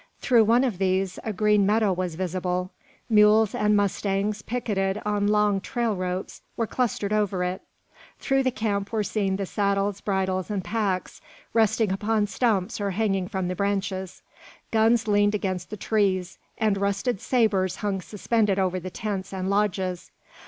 Through one of these a green meadow was visible. Mules and mustangs, picketed on long trail ropes, were clustered over it. Through the camp were seen the saddles, bridles, and packs, resting upon stumps or hanging from the branches. Guns leaned against the trees, and rusted sabres hung suspended over the tents and lodges.